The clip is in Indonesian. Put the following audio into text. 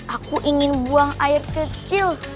aku ingin buang air kecil